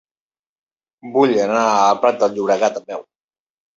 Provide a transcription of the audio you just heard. Vull anar al Prat de Llobregat a peu.